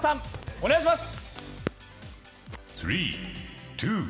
お願いします。